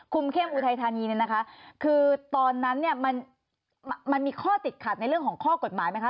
เข้มอุทัยธานีเนี่ยนะคะคือตอนนั้นเนี่ยมันมันมีข้อติดขัดในเรื่องของข้อกฎหมายไหมคะ